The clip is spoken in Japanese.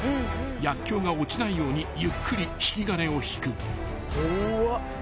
［薬きょうが落ちないようにゆっくり引き金を引く］